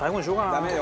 ダメよ。